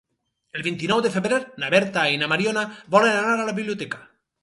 El vint-i-nou de febrer na Berta i na Mariona volen anar a la biblioteca.